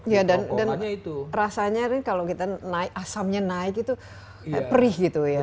ya dan rasanya kalau kita naik asamnya naik itu perih gitu ya